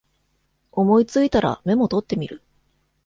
思いついたらメモ取ってみる